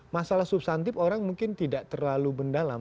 masalah substantif orang mungkin tidak terlalu mendalam